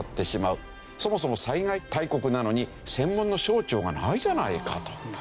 そもそも災害大国なのに専門の省庁がないじゃないかと。